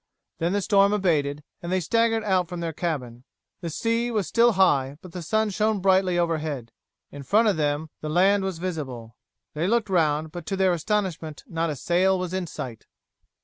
Then the storm abated, and they staggered out from their cabin. The sea was still high, but the sun shone brightly overhead. In front of them the land was visible. They looked round, but to their astonishment not a sail was in sight.